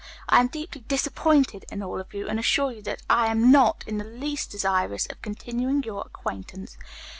I am deeply disappointed in all of you, and assure you that I am not in the least desirous of continuing your acquaintance.